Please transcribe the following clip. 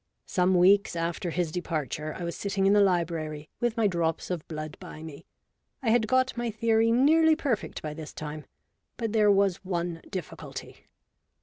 Some weeks after his departure I was sitting in the library with my drops of blood by me. I had got my theory nearly perfect by this time; but there was one difficulty.